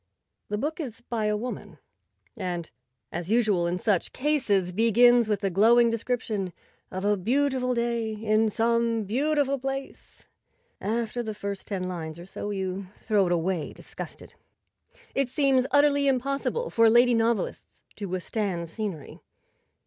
The book is by a woman, and, as usual in such cases, begins with a glowing description of a beautiful day in some beautiful place. After the first ten lines or so you throw it away disgusted. It seems utterly impossible for lady novelists to withstand scenery.